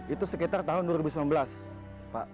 itu sekitar tahun dua ribu sembilan belas pak